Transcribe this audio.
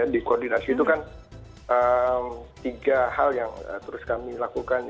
di koordinasi itu kan tiga hal yang terus kami lakukan